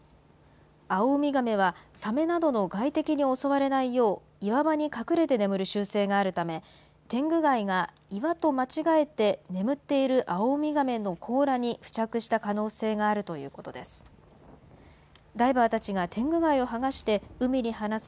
アオウミガメはサメなどの外敵に襲われないよう、岩場に隠れて眠る習性があるため、テングガイが岩と間違えて眠っているアオウミガメの甲羅に付着した可能性があるということです。